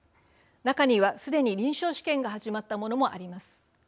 中にはすでに臨床試験が始まったものもあります。